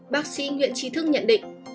bác sĩ nguyễn trì thức nhận định